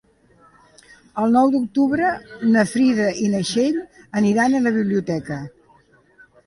El nou d'octubre na Frida i na Txell aniran a la biblioteca.